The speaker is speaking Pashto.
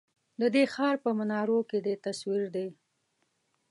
ددې ښار په منارو کی دی تصوير دی